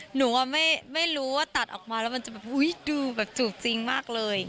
หนูไม่รู้ว่าตัดออกมาแล้วมันจะแบบอุ๊ยดูแบบจูบจริงมากเลย